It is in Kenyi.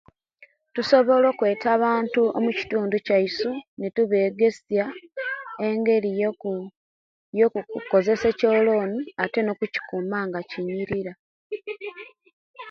Tusobola okweeta abantu mukitundu kyaisu netubegesia engeri yoku yokukozesia echoloni ate nokujikuma nga chinyirira